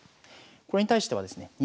これに対してはですね